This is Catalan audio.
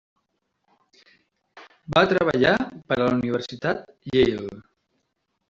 Va treballar per a la Universitat Yale.